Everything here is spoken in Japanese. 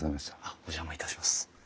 お邪魔いたします。